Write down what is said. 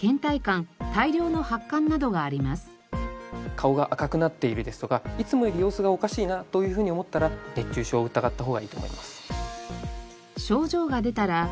顔が赤くなっているですとかいつもより様子がおかしいなというふうに思ったら熱中症を疑った方がいいと思います。